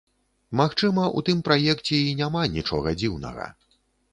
Магчыма, у тым праекце і няма нічога дзіўнага.